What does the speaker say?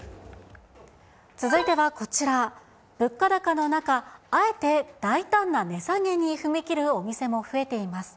続いてはこちら、物価高の中、あえて大胆な値下げに踏み切るお店も増えています。